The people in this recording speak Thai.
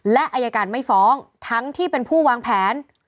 และอายการไม่ฟ้องทั้งที่เป็นผู้วางแผน